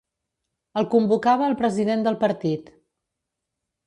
El convocava el president del partit.